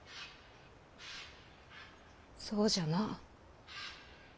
そうじゃな。